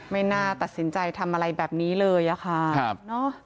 ไม่น่าตัดสินใจทำอะไรแบบนี้เลยอะค่ะ